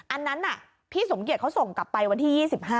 อันนั้นพี่สมเกียจเขาส่งกลับไปวันที่๒๕